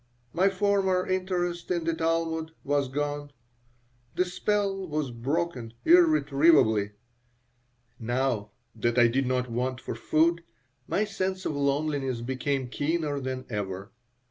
My former interest in the Talmud was gone. The spell was broken irretrievably. Now that I did not want for food, my sense of loneliness became keener than ever.